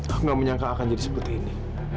aku gak menyangka akan jadi seperti ini